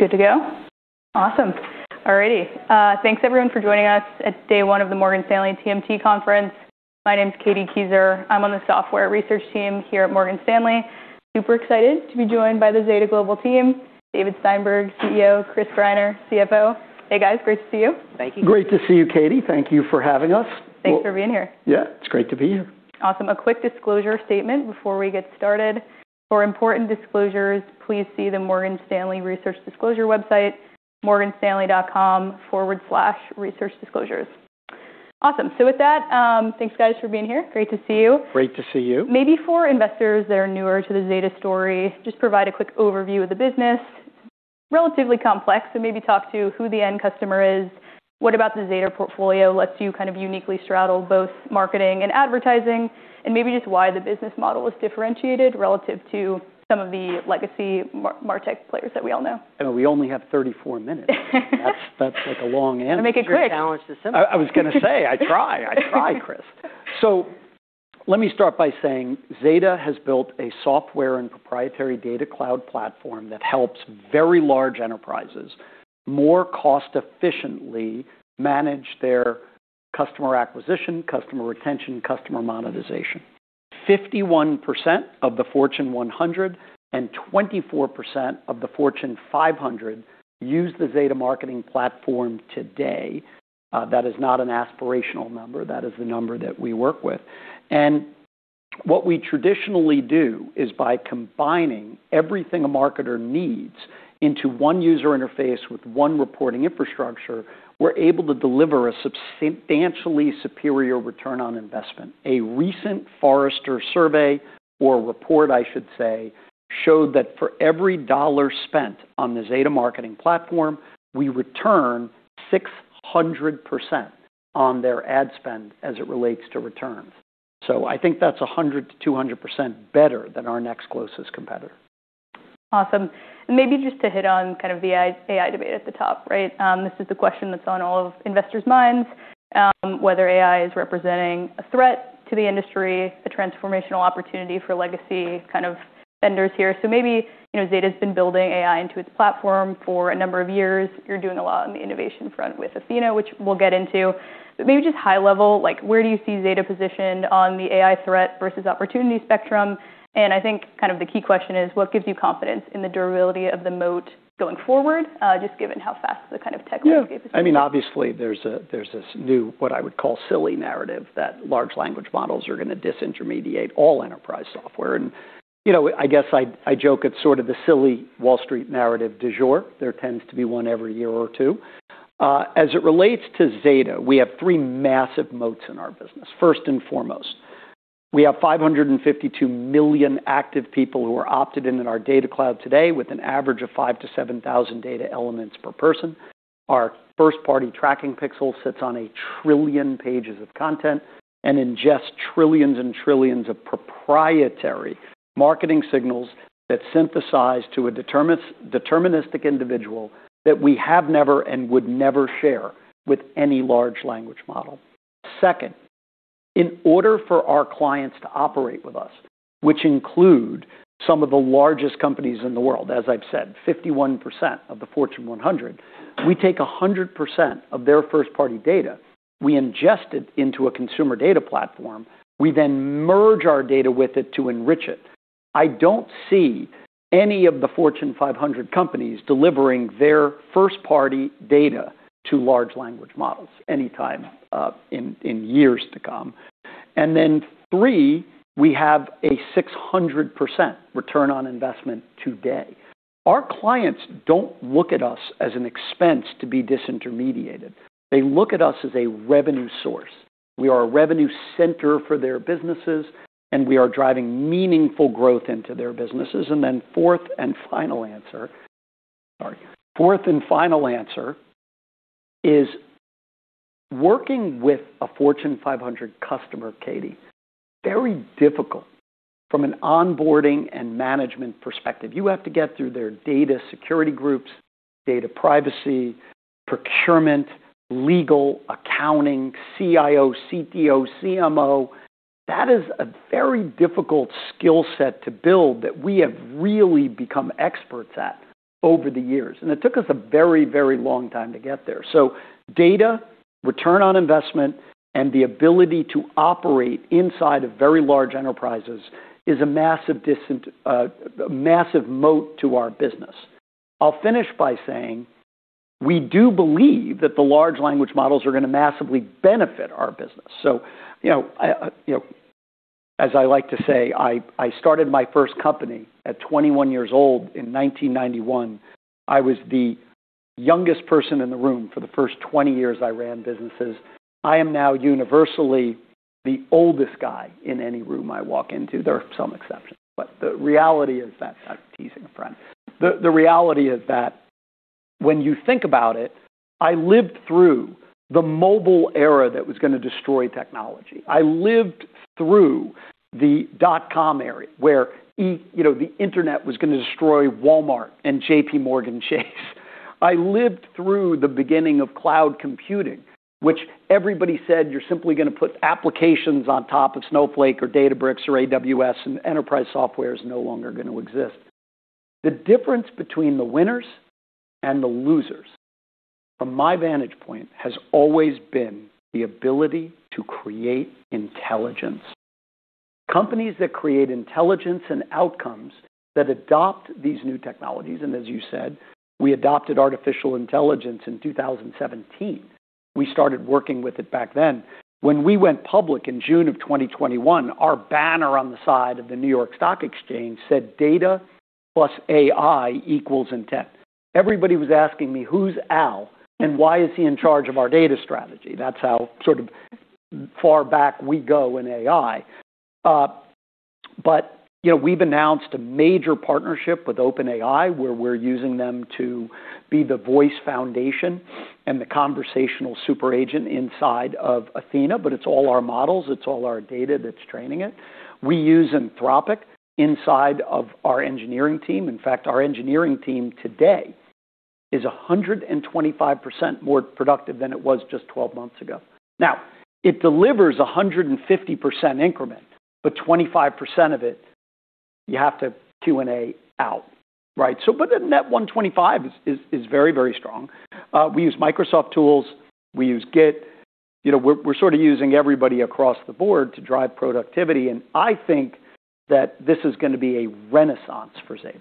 Good to go? Awesome. All righty. Thanks everyone for joining us at day one of the Morgan Stanley TMT Conference. My name's Keith Weiss. I'm on the software research team here at Morgan Stanley. Super excited to be joined by the Zeta Global team, David Steinberg, CEO, Chris Greiner, CFO. Hey, guys. Great to see you. Thank you. Great to see you, Keith. Thank you for having us. Thanks for being here. Yeah. It's great to be here. Awesome. A quick disclosure statement before we get started. For important disclosures, please see the Morgan Stanley Research Disclosure website, morganstanley.com/researchdisclosures. Awesome. With that, thanks guys for being here. Great to see you. Great to see you. Maybe for investors that are newer to the Zeta story, just provide a quick overview of the business. Relatively complex. Maybe talk to who the end customer is. What about the Zeta portfolio lets you kind of uniquely straddle both marketing and advertising, and maybe just why the business model is differentiated relative to some of the legacy martech players that we all know. We only have 34 minutes. That's like a long answer. Make it quick. You challenge this. I was gonna say I try, Chris. Let me start by saying Zeta has built a software and proprietary data cloud platform that helps very large enterprises more cost efficiently manage their customer acquisition, customer retention, customer monetization. 51% of the Fortune 100 and 24% of the Fortune 500 use the Zeta Marketing Platform today. That is not an aspirational number. That is the number that we work with. What we traditionally do is by combining everything a marketer needs into one user interface with one reporting infrastructure, we're able to deliver a substantially superior ROI. A recent Forrester survey, or report I should say, showed that for every dollar spent on the Zeta Marketing Platform, we return 600% on their ad spend as it relates to return. I think that's 100% - 200% better than our next closest competitor. Awesome. Maybe just to hit on kind of the AI debate at the top, right? This is the question that's on all of investors' minds, whether AI is representing a threat to the industry, a transformational opportunity for legacy kind of vendors here. Maybe, you know, Zeta's been building AI into its platform for a number of years. You're doing a lot on the innovation front with Athena, which we'll get into. Maybe just high level, like where do you see Zeta positioned on the AI threat versus opportunity spectrum? I think kind of the key question is what gives you confidence in the durability of the moat going forward, just given how fast the kind of technology is advancing. Yeah. I mean, obviously there's this new, what I would call silly narrative that large language models are gonna disintermediate all enterprise software. You know, I guess I joke at sort of the silly Wall Street narrative du jour. There tends to be one every year or two. As it relates to Zeta, we have three massive moats in our business. First and foremost, we have $552 million active people who are opted in in our data cloud today with an average of five to seven thousand data elements per person. Our first-party tracking pixel sits on one trillion pages of content and ingests trillions and trillions of proprietary marketing signals that synthesize to a deterministic individual that we have never and would never share with any large language model. Second, in order for our clients to operate with us, which include some of the largest companies in the world, as I've said, 51% of the Fortune 100, we take 100% of their first-party data. We ingest it into a Customer Data Platform. We merge our data with it to enrich it. I don't see any of the Fortune 500 companies delivering their first-party data to large language models anytime in years to come. Third, we have a 600% ROI today. Our clients don't look at us as an expense to be disintermediated. They look at us as a revenue source. We are a revenue centre for their businesses, and we are driving meaningful growth into their businesses. Fourth and final answer... Sorry. Fourth and final answer is working with a Fortune 500 customer, Keith, very difficult from an onboarding and management perspective. You have to get through their data security groups, data privacy, procurement, legal, accounting, CIO, CTO, CMO. That is a very difficult skill set to build that we have really become experts at over the years, and it took us a very, very long time to get there. Data, return on investment, and the ability to operate inside of very large enterprises is a massive moat to our business. I'll finish by saying we do believe that the large language models are gonna massively benefit our business. You know, as I like to say, I started my first company at 21 years old in 1991. I was the youngest person in the room for the first 20 years I ran businesses. I am now universally the oldest guy in any room I walk into. There are some exceptions, but the reality is that... Teasing a friend. The reality is that when you think about it, I lived through the mobile era that was gonna destroy technology. I lived through the dot-com era where, you know, the internet was gonna destroy Walmart and JPMorgan Chase. I lived through the beginning of cloud computing, which everybody said you're simply gonna put applications on top of Snowflake or Databricks or AWS, and enterprise software is no longer gonna exist. The difference between the winners and the losers, from my vantage point, has always been the ability to create intelligence. Companies that create intelligence and outcomes that adopt these new technologies, as you said, we adopted artificial intelligence in 2017. We started working with it back then. When we went public in June of 2021, our banner on the side of the New York Stock Exchange said, "Data plus AI equals intent." Everybody was asking me, "Who's Al, and why is he in charge of our data strategy?" That's how sort of far back we go in AI. You know, we've announced a major partnership with OpenAI, where we're using them to be the voice foundation and the conversational super agent inside of Athena, but it's all our models, it's all our data that's training it. We use Anthropic inside of our engineering team. In fact, our engineering team today is 125% more productive than it was just 12 months ago. It delivers 150% increment, but 25% of it, you have to Q&A out. Right? But the net 125 is very, very strong. We use Microsoft tools. We use Git. You know, we're sort of using everybody across the board to drive productivity, and I think that this is gonna be a renaissance for Zeta.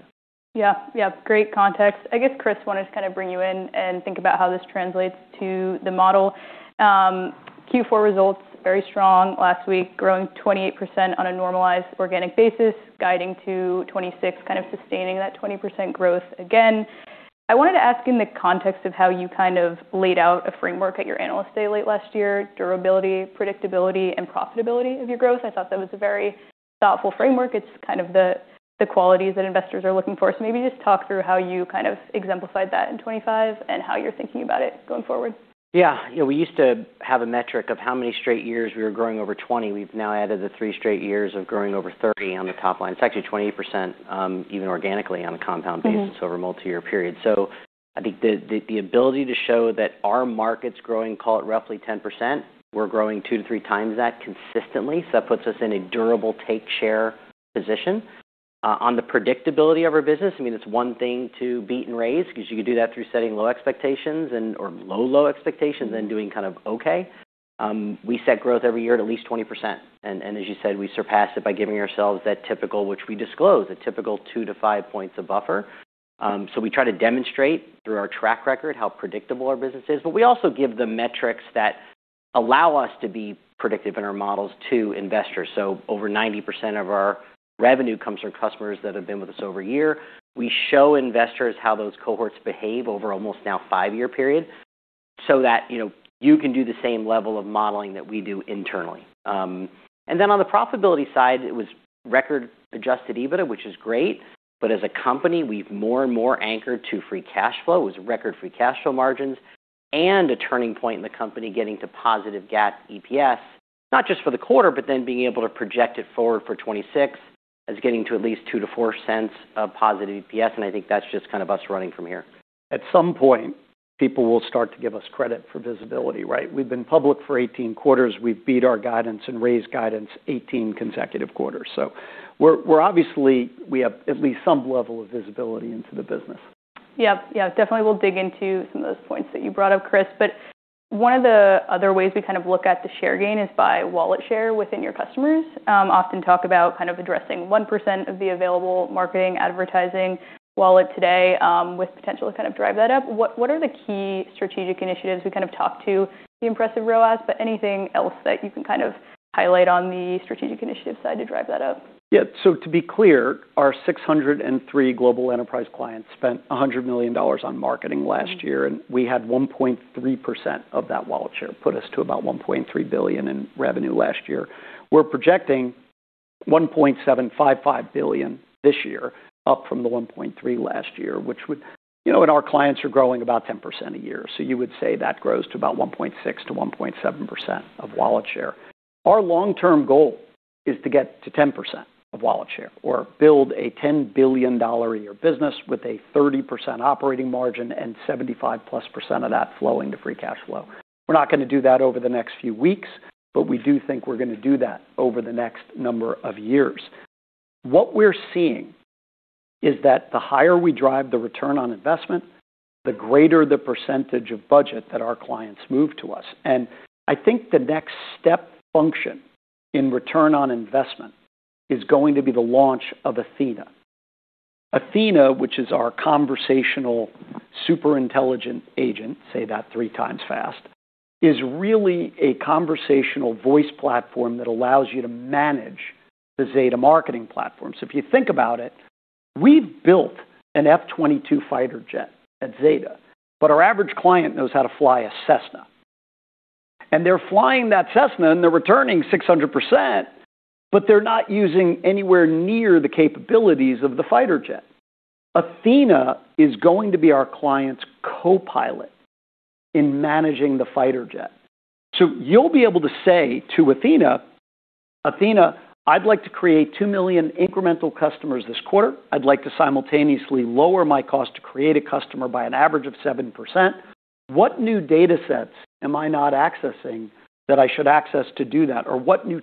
Yeah. Yeah. Great context. I guess, Chris, wanna just kinda bring you in and think about how this translates to the model. Q4 results, very strong last week, growing 28% on a normalized organic basis, guiding to 26, kind of sustaining that 20% growth again. I wanted to ask in the context of how you kind of laid out a framework at your Investor Day late last year, durability, predictability, and profitability of your growth. I thought that was a very thoughtful framework. It's kind of the qualities that investors are looking for. Maybe just talk through how you kind of exemplified that in 2025 and how you're thinking about it going forward. Yeah. You know, we used to have a metric of how many straight years we were growing over 20. We've now added the three straight years of growing over 30 on the top line. It's actually 28% even organically on a compound basis.... over a multi-year period. I think the ability to show that our market's growing, call it roughly 10%, we're growing 2 to 3 times that consistently, so that puts us in a durable take share position. On the predictability of our business, I mean, it's one thing to beat and raise 'cause you could do that through setting low expectations and/or low expectations.... then doing kind of okay. We set growth every year to at least 20%. As you said, we surpass it by giving ourselves that typical, which we disclose, a typical 2-5 points of buffer. We try to demonstrate through our track record how predictable our business is, but we also give the metrics that allow us to be predictive in our models to investors. Over 90% of our revenue comes from customers that have been with us over a year. We show investors how those cohorts behave over almost now five year period, so that, you know, you can do the same level of modeling that we do internally. On the profitability side, it was record-adjusted EBITDA, which is great. As a company, we've more and more anchored to free cash flow. It was record free cash flow margins and a turning point in the company getting to positive GAAP EPS, not just for the quarter, but then being able to project it forward for 2026 as getting to at least $0.02-$0.04 of positive EPS. I think that's just kind of us running from here. At some point, people will start to give us credit for visibility, right? We've been public for 18 quarters. We've beat our guidance and raised guidance 18 consecutive quarters. We're obviously we have at least some level of visibility into the business. Yep. Yeah. Definitely we'll dig into some of those points that you brought up, Chris. One of the other ways we kind of look at the share gain is by wallet share within your customers. Often talk about kind of addressing 1% of the available marketing advertising wallet today, with potential to kind of drive that up. What are the key strategic initiatives? We kind of talked to the impressive ROAS, but anything else that you can kind of highlight on the strategic initiative side to drive that up? Yeah. To be clear, our 603 global enterprise clients spent $100 million on marketing last year. We had 1.3% of that wallet share. Put us to about $1.3 billion in revenue last year. We're projecting $1.755 billion this year, up from the $1.3 last year. You know, our clients are growing about 10% a year. You would say that grows to about 1.6%-1.7% of wallet share. Our long-term goal is to get to 10% of wallet share or build a $10 billion a year business with a 30% operating margin and 75%+ of that flowing to free cash flow. We're not gonna do that over the next few weeks, we do think we're gonna do that over the next number of years. What we're seeing is that the higher we drive the return on investment, the greater the percentage of budget that our clients move to us. I think the next step function in return on investment is going to be the launch of Athena. Athena, which is our conversational super intelligent agent, say that three times fast, is really a conversational voice platform that allows you to manage the Zeta Marketing Platform. If you think about it, we've built an F-22 fighter jet at Zeta, but our average client knows how to fly a Cessna. They're flying that Cessna, and they're returning 600%, but they're not using anywhere near the capabilities of the fighter jet. Athena is going to be our client's co-pilot in managing the fighter jet. You'll be able to say to Athena-Athena, I'd like to create 2 million incremental customers this quarter. I'd like to simultaneously lower my cost to create a customer by an average of 7%. What new datasets am I not accessing that I should access to do that? What new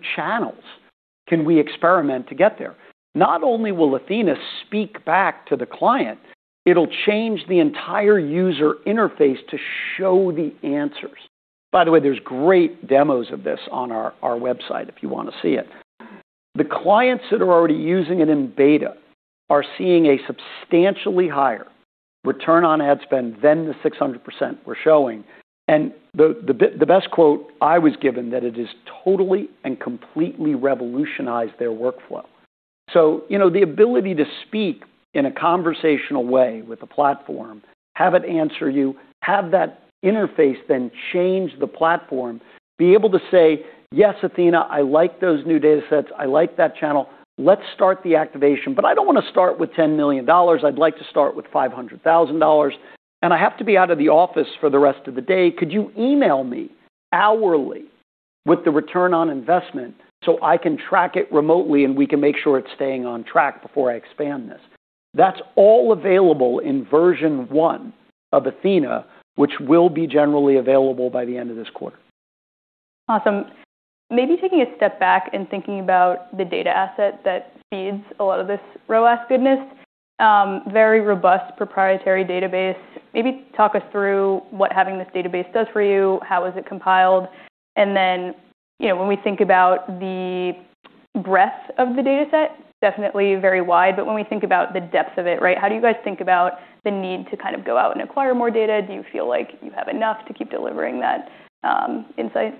channels can we experiment to get there? Not only will Athena speak back to the client, it'll change the entire user interface to show the answers. By the way, there's great demos of this on our website if you wanna see it. The clients that are already using it in beta are seeing a substantially higher return on ad spend than the 600% we're showing. The best quote I was given that it has totally and completely revolutionized their workflow. You know, the ability to speak in a conversational way with a platform, have it answer you, have that interface then change the platform, be able to say, "Yes, Athena, I like those new datasets. I like that channel. Let's start the activation, but I don't wanna start with $10 million. I'd like to start with $500,000, and I have to be out of the office for the rest of the day. Could you email me hourly with the return on investment so I can track it remotely, and we can make sure it's staying on track before I expand this?" That's all available in version one of Athena, which will be generally available by the end of this quarter. Awesome. Maybe taking a step back and thinking about the data asset that feeds a lot of this ROAS goodness, very robust proprietary database. Maybe talk us through what having this database does for you, how is it compiled, and then, you know, when we think about the breadth of the dataset, definitely very wide, but when we think about the depth of it, right, how do you guys think about the need to kind of go out and acquire more data? Do you feel like you have enough to keep delivering that insight?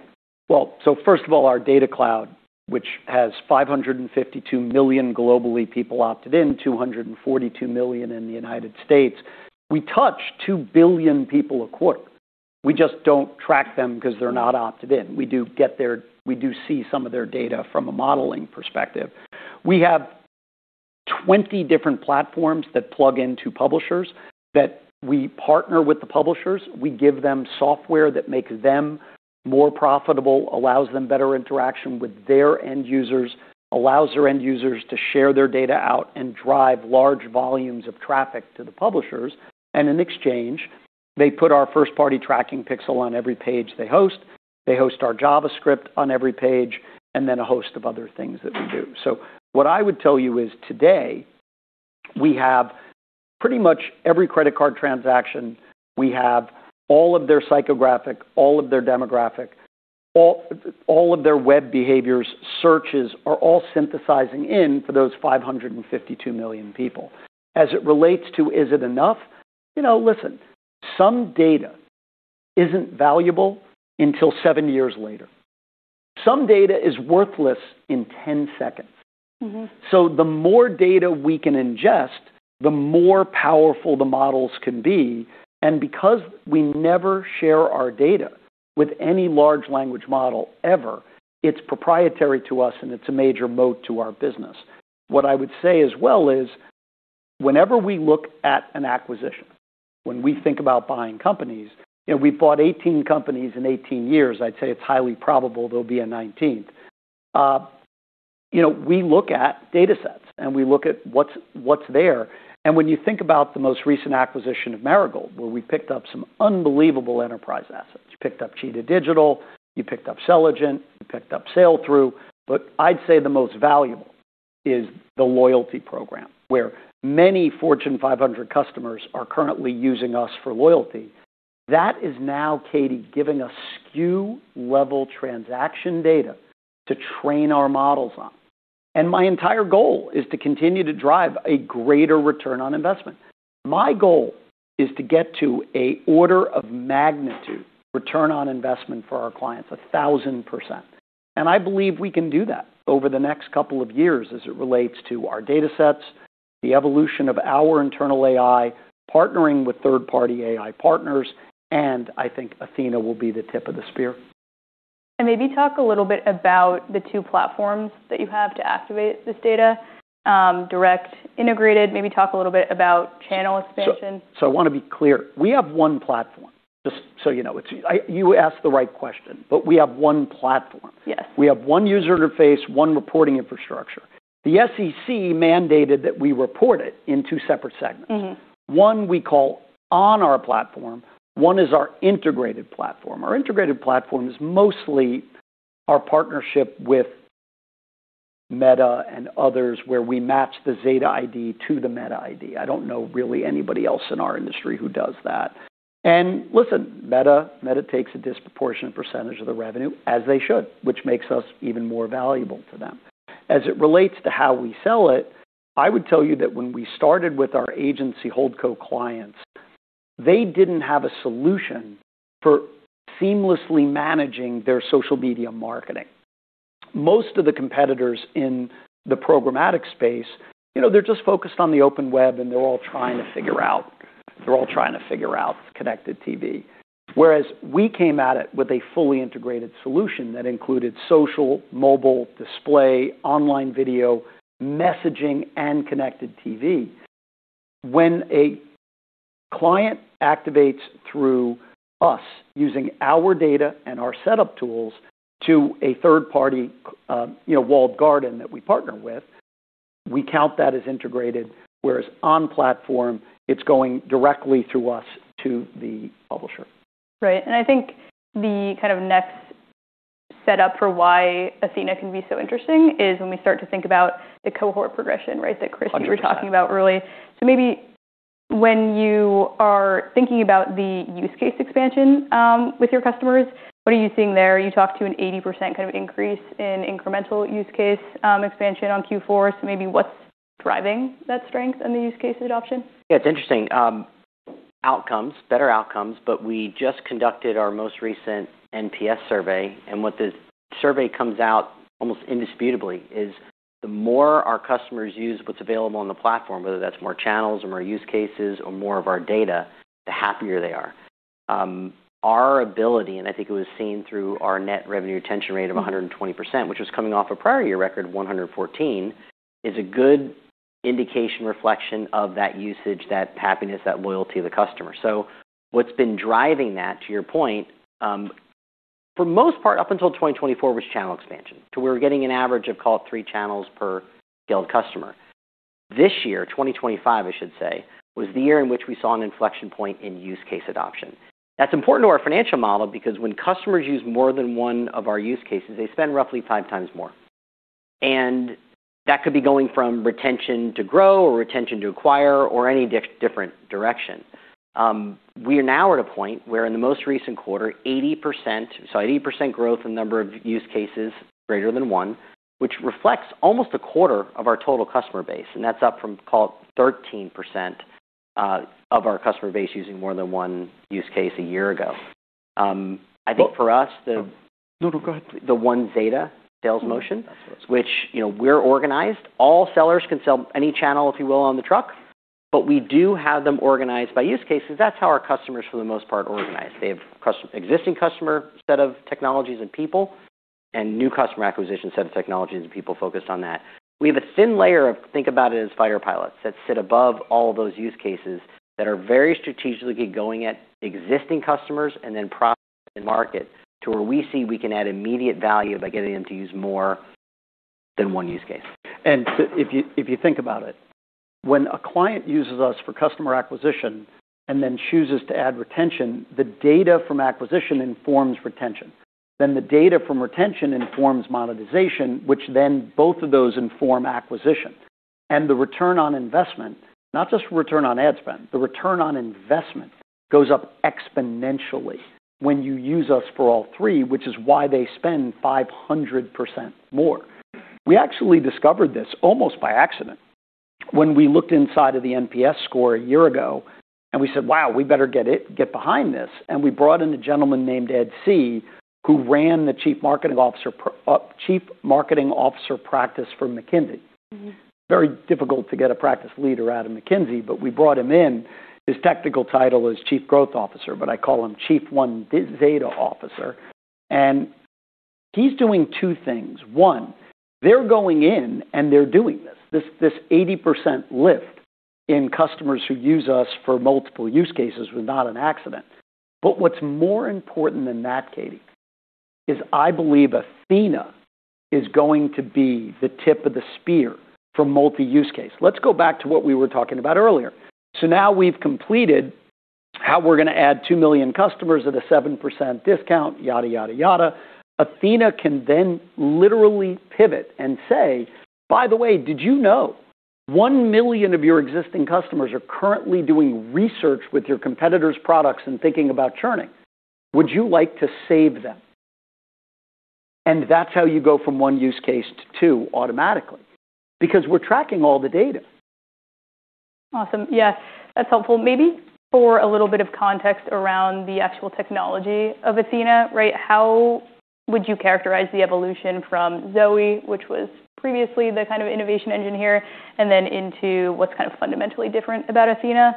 First of all, our data cloud, which has 552 million globally people opted in, 242 million in the United States, we touch 2 billion people a quarter. We just don't track them because they're not opted in. We do see some of their data from a modeling perspective. We have 20 different platforms that plug into publishers, that we partner with the publishers. We give them software that makes them more profitable, allows them better interaction with their end users, allows their end users to share their data out and drive large volumes of traffic to the publishers. In exchange, they put our first-party tracking pixel on every page they host, they host our JavaScript on every page, and then a host of other things that we do. What I would tell you is today, we have pretty much every credit card transaction, we have all of their psychographic, all of their demographic, all of their web behaviors, searches, are all synthesizing in for those 552 million people. As it relates to is it enough? You know, listen, some data isn't valuable until seven years later. Some data is worthless in 10 seconds. The more data we can ingest, the more powerful the models can be. Because we never share our data with any large language model ever, it's proprietary to us, and it's a major moat to our business. What I would say as well is whenever we look at an acquisition, when we think about buying companies, you know, we've bought 18 companies in 18 years. I'd say it's highly probable there'll be a nineteenth. You know, we look at datasets, and we look at what's there. When you think about the most recent acquisition of Marigold, where we picked up some unbelievable enterprise assets, you picked up Cheetah Digital, you picked up Selligent, you picked up Sailthru. I'd say the most valuable is the loyalty program, where many Fortune 500 customers are currently using us for loyalty. That is now, Keith Weiss, giving us SKU-level transaction data to train our models on. My entire goal is to continue to drive a greater ROI. My goal is to get to a order of magnitude ROI for our clients, 1,000%. I believe we can do that over the next couple of years as it relates to our datasets, the evolution of our internal AI, partnering with third-party AI partners, and I think Athena will be the tip of the spear. Maybe talk a little bit about the two platforms that you have to activate this data, direct, integrated, maybe talk a little bit about channel expansion. I wanna be clear. We have one platform, just so you know. You asked the right question, we have one platform. Yes. We have one user interface, one reporting infrastructure. The SEC mandated that we report it in two separate segments. One we call on our platform, one is our integrated platform. Our integrated platform is mostly our partnership with Meta and others, where we match the Zeta ID to the Meta ID. I don't know really anybody else in our industry who does that. Listen, Meta takes a disproportionate percentage of the revenue, as they should, which makes us even more valuable to them. As it relates to how we sell it, I would tell you that when we started with our agency holdco clients, they didn't have a solution for seamlessly managing their social media marketing. Most of the competitors in the programmatic space, you know, they're just focused on the open web, and they're all trying to figure out Connected TV. We came at it with a fully integrated solution that included social, mobile, display, online video, messaging, and Connected TV. When a client activates through us using our data and our setup tools to a third party, you know, walled garden that we partner with. We count that as integrated, whereas on-platform, it's going directly through us to the publisher. Right. I think the kind of next set up for why Athena can be so interesting is when we start to think about the cohort progression, right? That Chris, you were talking about really. Maybe when you are thinking about the use case expansion, with your customers, what are you seeing there? You talked to an 80% kind of increase in incremental use case, expansion on Q4. Maybe what's driving that strength and the use case adoption? Yeah, it's interesting. Outcomes, better outcomes, we just conducted our most recent NPS survey, and what the survey comes out almost indisputably is the more our customers use what's available on the platform, whether that's more channels or more use cases or more of our data, the happier they are. Our ability, and I think it was seen through our Net Revenue Retention rate of 120%, which was coming off a prior year record of 114%, is a good indication, reflection of that usage, that happiness, that loyalty of the customer. What's been driving that, to your point, for most part, up until 2024 was channel expansion. We were getting an average of call it three channels per scaled customer. This year, 2025, I should say, was the year in which we saw an inflection point in use case adoption. That's important to our financial model because when customers use more than one of our use cases, they spend roughly five times more. That could be going from retention to grow or retention to acquire or any different direction. We are now at a point where in the most recent quarter, 80% growth in number of use cases greater than one, which reflects almost a quarter of our total customer base, and that's up from call it 13% of our customer base using more than one use case a year ago. I think for us, No, go ahead.... the one data sales motion, which, you know, we're organized. All sellers can sell any channel, if you will, on the truck, but we do have them organized by use cases. That's how our customers, for the most part, organize. They have existing customer set of technologies and people, and new customer acquisition set of technologies and people focused on that. We have a thin layer of, think about it as fighter pilots that sit above all those use cases that are very strategically going at existing customers and then product and market to where we see we can add immediate value by getting them to use more than one use case. If you, if you think about it, when a client uses us for customer acquisition and then chooses to add retention, the data from acquisition informs retention. The data from retention informs monetization, which then both of those inform acquisition. The return on investment, not just return on ad spend, the return on investment goes up exponentially when you use us for all three, which is why they spend 500% more. We actually discovered this almost by accident when we looked inside of the NPS score one year ago, and we said, "Wow, we better get it, get behind this." We brought in a gentleman named Ed Tsyitee, who ran the Chief Marketing Officer practice for McKinsey. Very difficult to get a practice leader out of McKinsey, we brought him in. His technical title is chief growth officer, but I call him chief data officer. He's doing two things. First, they're going in and they're doing this. This 80% lift in customers who use us for multiple use cases was not an accident. What's more important than that, Keith, is I believe Athena is going to be the tip of the spear for multi-use case. Let's go back to what we were talking about earlier. Now we've completed how we're gonna add two million customers at a 7% discount, yada, yada. Athena can then literally pivot and say, "By the way, did you know one million of your existing customers are currently doing research with your competitors' products and thinking about churning? Would you like to save them?" That's how you go from one use case to two automatically, because we're tracking all the data. Awesome. Yeah, that's helpful. Maybe for a little bit of context around the actual technology of Athena, right? How would you characterize the evolution from ZOE, which was previously the kind of innovation engine here, and then into what's kind of fundamentally different about Athena?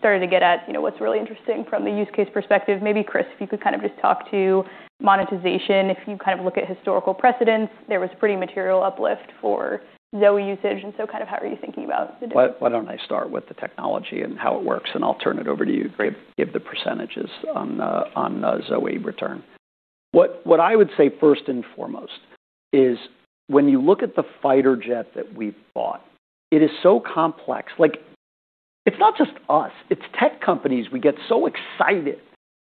Starting to get at, you know, what's really interesting from the use case perspective, maybe Chris, if you could kind of just talk to monetization. If you kind of look at historical precedents, there was pretty material uplift for ZOE usage, and so kind of how are you thinking about the difference? Why don't I start with the technology and how it works, and I'll turn it over to you to give the percentages on ZOE return. What I would say first and foremost is when you look at the fighter jet that we bought, it is so complex. Like, it's not just us. It's tech companies. We get so excited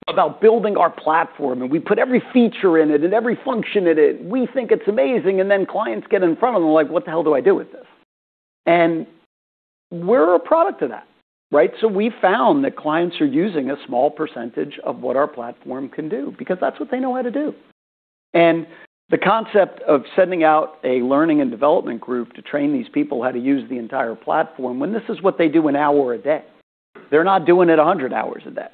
about building our platform, and we put every feature in it and every function in it. We think it's amazing, and then clients get in front of them like, "What the hell do I do with this?" We're a product of that, right? We found that clients are using a small percentage of what our platform can do because that's what they know how to do. The concept of sending out a learning and development group to train these people how to use the entire platform, when this is what they do an hour a day, they're not doing it 100 hours a day,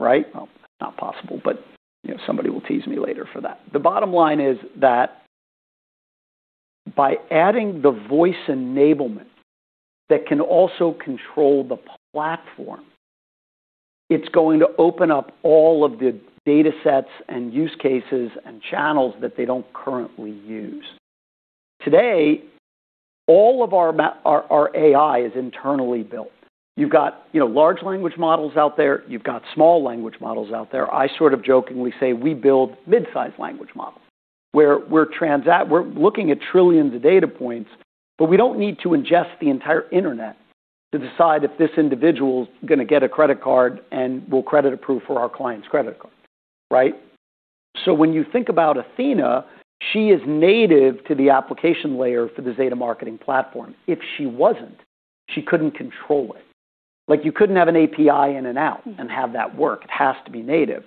right? Well, not possible, but, you know, somebody will tease me later for that. The bottom line is that by adding the voice enablement that can also control the platform. It's going to open up all of the datasets and use cases and channels that they don't currently use. Today, all of our AI is internally built. You've got, you know, large language models out there. You've got small language models out there. I sort of jokingly say we build mid-size language models, where we're looking at trillions of data points, but we don't need to ingest the entire internet to decide if this individual's gonna get a credit card and will credit approve for our client's credit card, right? When you think about Athena, she is native to the application layer for the Zeta Marketing Platform. If she wasn't, she couldn't control it. Like, you couldn't have an API in and out and have that work. It has to be native.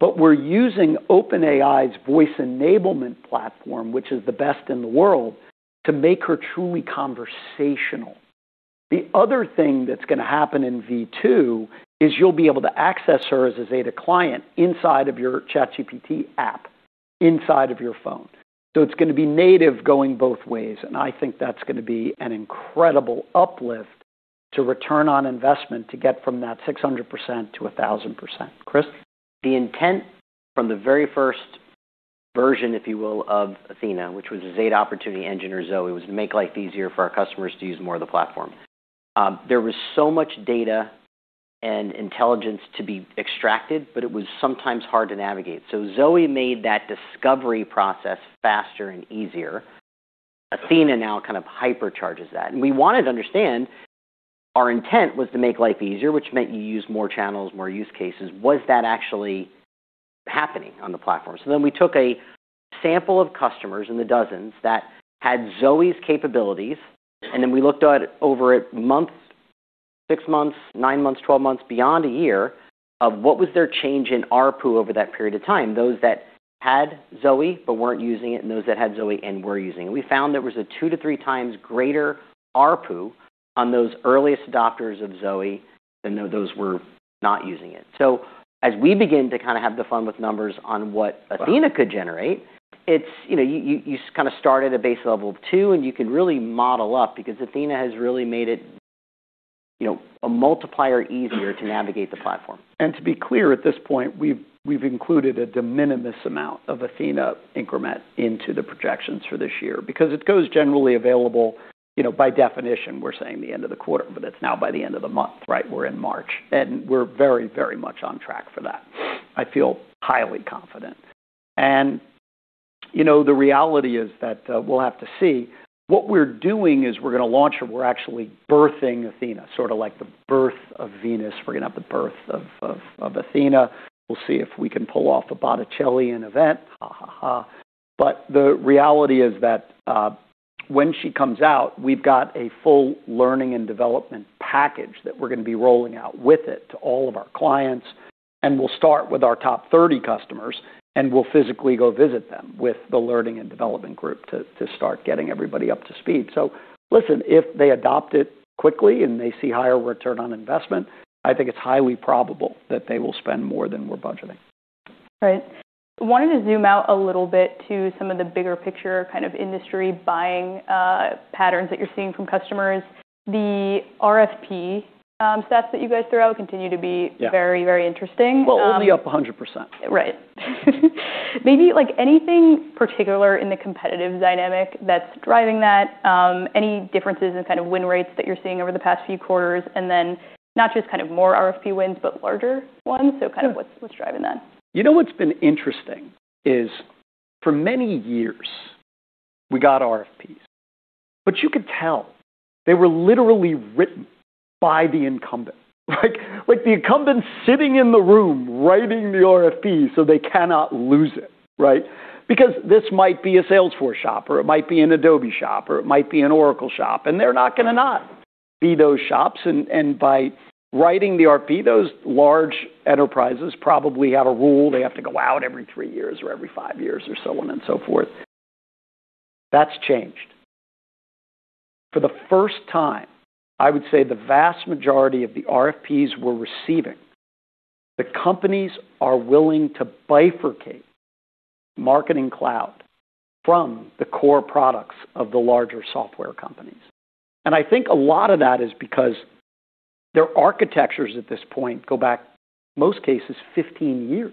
We're using OpenAI's voice enablement platform, which is the best in the world, to make her truly conversational. The other thing that's gonna happen in V2 is you'll be able to access her as a Zeta client inside of your ChatGPT app, inside of your phone. It's gonna be native going both ways, and I think that's gonna be an incredible uplift to return on investment to get from that 600% - 1,000%. Chris? The intent from the very first version, if you will, of Athena, which was a Zeta Opportunity Engine, or ZOE, was to make life easier for our customers to use more of the platform. There was so much data and intelligence to be extracted, but it was sometimes hard to navigate. ZOE made that discovery process faster and easier. Athena now kind of hypercharges that. We wanted to understand our intent was to make life easier, which meant you use more channels, more use cases. Was that actually happening on the platform? We took a sample of customers in the dozens that had ZOE's capabilities, and then we looked at over a month, six months, nine months, twelve months, beyond a year, of what was their change in ARPU over that period of time, those that had ZOE but weren't using it, and those that had ZOE and were using it. We found there was a 2 to 3 times greater ARPU on those earliest adopters of ZOE than those were not using it. As we begin to kinda have the fun with numbers on what Athena could generate, it's, you know, you, you kinda start at a base level of two, and you can really model up because Athena has really made it, you know, a multiplier easier to navigate the platform. To be clear, at this point, we've included a de minimis amount of Athena increment into the projections for this year because it goes generally available, you know, by definition, we're saying the end of the quarter, but it's now by the end of the month, right? We're in March, and we're very, very much on track for that. I feel highly confident. You know, the reality is that we'll have to see. What we're doing is we're gonna launch her. We're actually birthing Athena, sort of like the birth of Venus. We're gonna have the birth of, of Athena. We'll see if we can pull off a Botticellian event. Ha ha ha. The reality is that, when she comes out, we've got a full learning and development package that we're gonna be rolling out with it to all of our clients, and we'll start with our top 30 customers, and we'll physically go visit them with the learning and development group to start getting everybody up to speed. Listen, if they adopt it quickly and they see higher return on investment, I think it's highly probable that they will spend more than we're budgeting. Right. Wanted to zoom out a little bit to some of the bigger picture kind of industry buying, patterns that you're seeing from customers. The RFP, stats that you guys threw out continue to be- Yeah. very, very interesting. Well, it'll be up 100%. Right. Maybe, like, anything particular in the competitive dynamic that's driving that, any differences in kind of win rates that you're seeing over the past few quarters, and then not just kind of more RFP wins, but larger ones? Kind of what's driving that? You know what's been interesting is for many years, we got RFPs, but you could tell they were literally written by the incumbent, right? Like the incumbent sitting in the room writing the RFP so they cannot lose it, right? Because this might be a Salesforce shop, or it might be an Adobe shop, or it might be an Oracle shop, and they're not gonna not be those shops. By writing the RFP, those large enterprises probably have a rule they have to go out every three years or every five years or so on and so forth. That's changed. For the first time, I would say the vast majority of the RFPs we're receiving, the companies are willing to bifurcate marketing cloud from the core products of the larger software companies. I think a lot of that is because their architectures at this point go back, most cases, 15 years.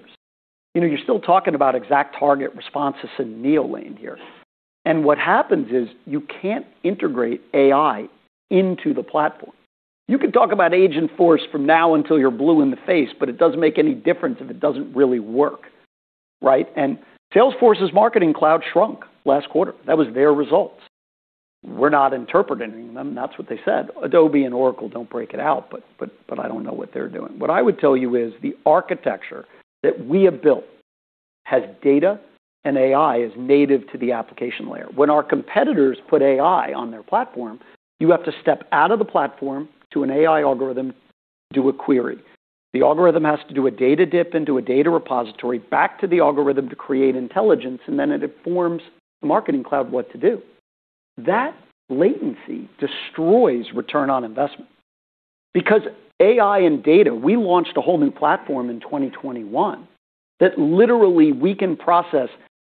You know, you're still talking about ExactTarget responses to Neolane here. What happens is you can't integrate AI into the platform. You could talk about Agent Force from now until you're blue in the face, but it doesn't make any difference if it doesn't really work, right? Salesforce's marketing cloud shrunk last quarter. That was their results. We're not interpreting them. That's what they said. Adobe and Oracle don't break it out, but I don't know what they're doing. What I would tell you is the architecture that we have built has data, and AI is native to the application layer. When our competitors put AI on their platform, you have to step out of the platform to an AI algorithm, do a query. The algorithm has to do a data dip into a data repository back to the algorithm to create intelligence, and then it informs the marketing cloud what to do. That latency destroys return on investment because AI and data. We launched a whole new platform in 2021. That literally we can process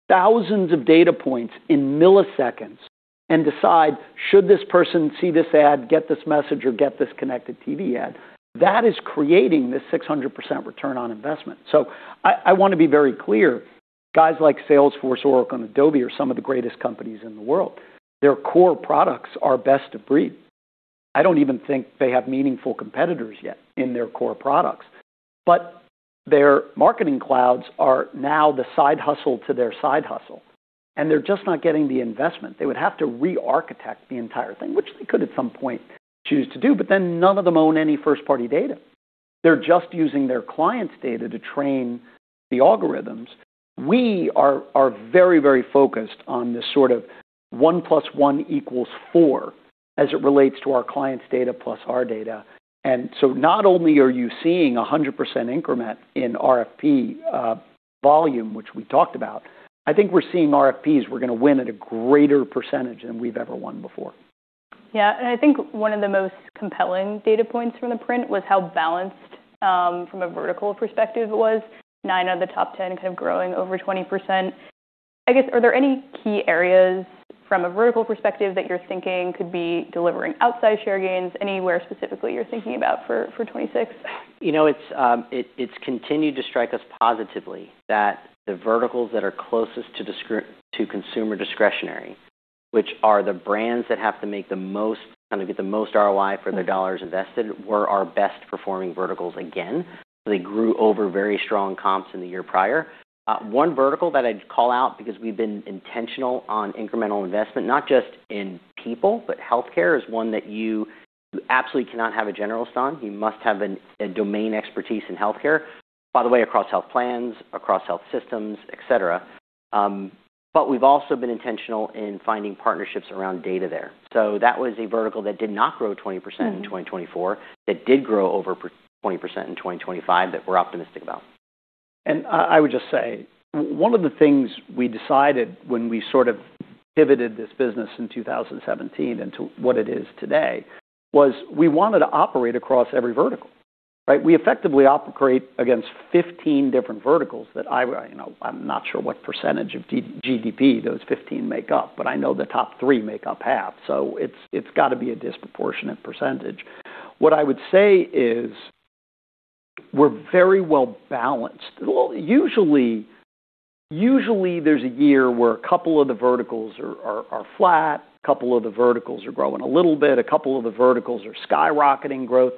thousands of data points in milliseconds and decide, should this person see this ad, get this message, or get this Connected TV ad? That is creating this 600% return on investment. I want to be very clear, guys like Salesforce, Oracle, and Adobe are some of the greatest companies in the world. Their core products are best of breed. I don't even think they have meaningful competitors yet in their core products. Their marketing clouds are now the side hustle to their side hustle, and they're just not getting the investment. They would have to re-architect the entire thing, which they could, at some point, choose to do, but then none of them own any first-party data. They're just using their clients' data to train the algorithms. We are very, very focused on this sort of one plus one equals four as it relates to our clients' data plus our data. Not only are you seeing 100% increment in RFP volume, which we talked about, I think we're seeing RFPs we're gonna win at a greater percentage than we've ever won before. Yeah. I think one of the most compelling data points from the print was how balanced from a vertical perspective was. Nine of the top 10 kind of growing over 20%. I guess, are there any key areas from a vertical perspective that you're thinking could be delivering outsized share gains? Anywhere specifically you're thinking about for 2026? You know, it's continued to strike us positively that the verticals that are closest to consumer discretionary, which are the brands that have to kinda get the most ROI for their dollars invested, were our best-performing verticals again. They grew over very strong comps in the year prior. One vertical that I'd call out because we've been intentional on incremental investment, not just in people, but healthcare is one that you absolutely cannot have a generalist on. You must have a domain expertise in healthcare. By the way, across health plans, across health systems, etc. But we've also been intentional in finding partnerships around data there. That was a vertical that did not grow 20% in 2024. That did grow over 20% in 2025 that we're optimistic about. I would just say one of the things we decided when we sort of pivoted this business in 2017 into what it is today was we wanted to operate across every vertical, right? We effectively operate against 15 different verticals that I... You know, I'm not sure what percentage of GDP those 15 make up, but I know the top three make up half, so it's gotta be a disproportionate percentage. What I would say is we're very well-balanced. Well, usually there's a year where a couple of the verticals are flat, a couple of the verticals are growing a little bit, a couple of the verticals are skyrocketing growth.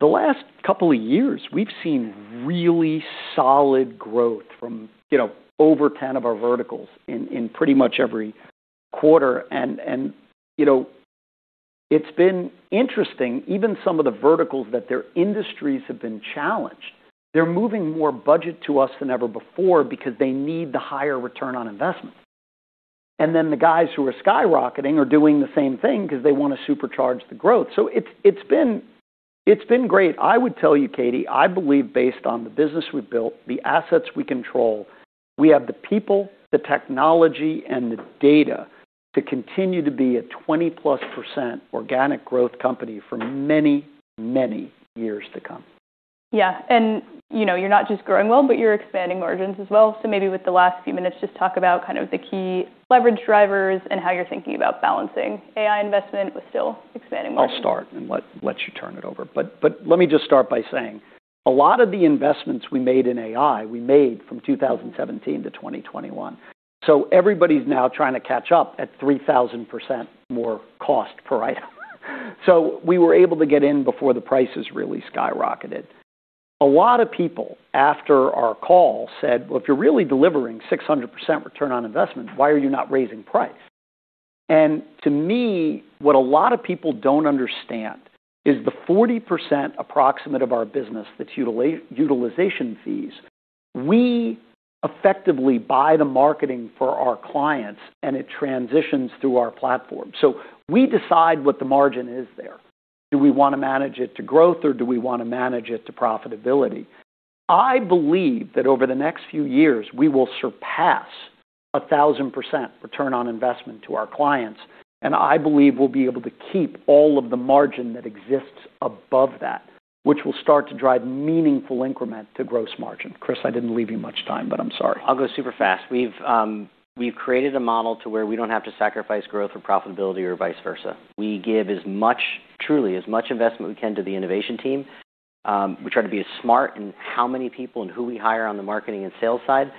The last couple of years, we've seen really solid growth from, you know, over 10 of our verticals in pretty much every quarter. You know, it's been interesting, even some of the verticals that their industries have been challenged, they're moving more budget to us than ever before because they need the higher return on investment. The guys who are skyrocketing are doing the same thing 'cause they wanna supercharge the growth. It's been great. I would tell you, Keith, I believe based on the business we've built, the assets we control, we have the people, the technology, and the data to continue to be a +20 % organic growth company for many, many years to come. Yeah. You know, you're not just growing well, but you're expanding margins as well. Maybe with the last few minutes, just talk about kind of the key leverage drivers and how you're thinking about balancing AI investment with still expanding margins? I'll start and let you turn it over. Let me just start by saying a lot of the investments we made in AI, we made from 2017 - 2021. Everybody's now trying to catch up at 3,000% more cost per item. We were able to get in before the prices really skyrocketed. A lot of people after our call said, "Well, if you're really delivering 600% return on investment, why are you not raising price?" To me, what a lot of people don't understand is the 40% approximate of our business that's utilization fees, we effectively buy the marketing for our clients, and it transitions through our platform. We decide what the margin is there. Do we wanna manage it to growth, or do we wanna manage it to profitability? I believe that over the next few years, we will surpass 1,000% return on investment to our clients, and I believe we'll be able to keep all of the margin that exists above that, which will start to drive meaningful increment to gross margin. Chris, I didn't leave you much time, but I'm sorry. I'll go super fast. We've created a model to where we don't have to sacrifice growth or profitability or vice versa. We give as much, truly, as much investment we can to the innovation team. We try to be as smart in how many people and who we hire on the marketing and sales side.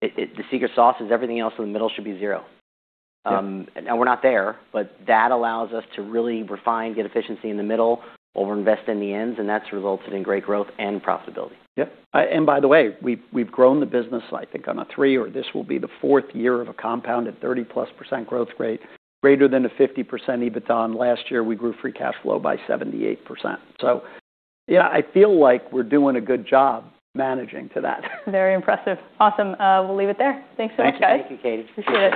The secret sauce is everything else in the middle should be zero. Yep. We're not there, but that allows us to really refine, get efficiency in the middle, over invest in the ends, and that's resulted in great growth and profitability. Yep. By the way, we've grown the business, I think, on a three or this will be the fourth year of a compounded +30% growth rate, greater than a 50% EBITDA. Last year, we grew free cash flow by 78%. Yeah, I feel like we're doing a good job managing to that. Very impressive. Awesome. We'll leave it there. Thanks so much, guys. Thank you, Keith. Appreciate it.